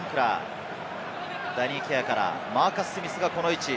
ダニー・ケアからマーカス・スミスがこの位置。